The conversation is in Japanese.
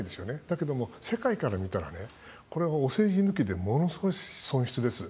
だけども、世界から見たらねこれはお世辞抜きでものすごい損失です。